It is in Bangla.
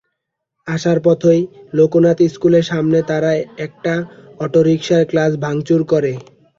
আসার পথেই লোকনাথ স্কুলের সামনে তারা একটা অটোরিকশার কাচ ভাঙচুর করে।